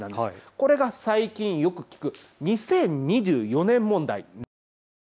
これが最近よく聞く２０２４年問題なんです。